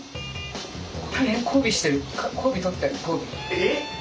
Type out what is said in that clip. えっ？